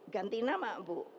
ganti nama bu